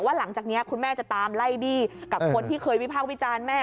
หลังจากนี้คุณแม่จะตามไล่บี้กับคนที่เคยวิพากษ์วิจารณ์แม่